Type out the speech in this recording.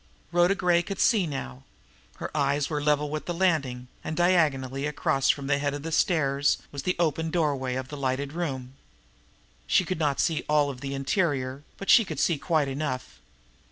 Rhoda Gray could see now. Her eyes were on a level with the landing, and diagonally across from the head of the stairs was the open doorway of a lighted room. She could not see all of the interior, but she could see quite enough.